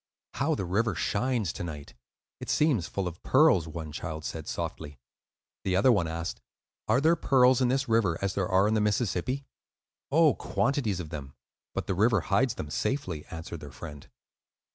"How the river shines to night! it seems full of pearls," one child said, softly. The other one asked, "Are there pearls in this river as there are in the Mississippi?" "Oh, quantities of them; but the river hides them safely," answered their friend.